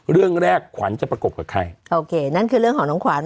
เรื่องแรกขวัญจะประกบกับใครโอเคนั่นคือเรื่องของน้องขวัญ